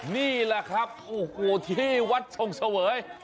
นี่แหละครับโอ้โหที่วัดชงเสวย